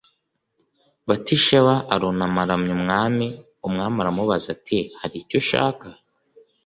Batisheba arunama aramya umwami. Umwami aramubaza ati “Hari icyo ushaka?”